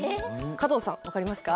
加藤さん分かりますか？